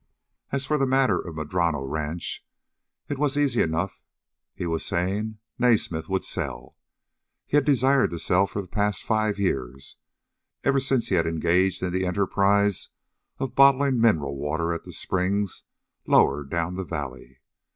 As for the matter of Madrono Ranch, it was easy enough he was saying. Naismith would sell. Had desired to sell for the past five years, ever since he had engaged in the enterprise of bottling mineral water at the springs lower down the valley.